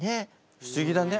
不思議だね。